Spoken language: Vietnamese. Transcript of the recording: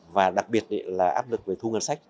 và đặc biệt là áp lực về thu ngân sách